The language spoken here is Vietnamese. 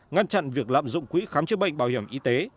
ngăn chặn việc lạm dụng quỹ khám chữa bệnh bảo hiểm y tế